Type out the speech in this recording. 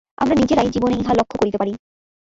আমরা নিজেদের জীবনেই ইহা লক্ষ্য করিতে পারি।